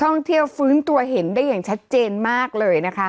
ท่องเที่ยวฟื้นตัวเห็นได้อย่างชัดเจนมากเลยนะคะ